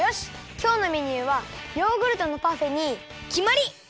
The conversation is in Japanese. きょうのメニューはヨーグルトのパフェにきまり！